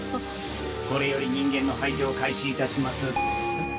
これより人間の排除を開始いたします。